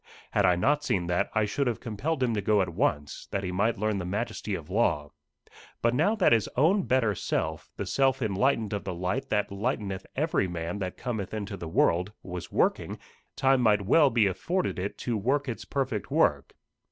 Had I not seen that, I should have compelled him to go at once, that he might learn the majesty of law. But now that his own better self, the self enlightened of the light that lighteneth every man that cometh into the world, was working, time might well be afforded it to work its perfect work.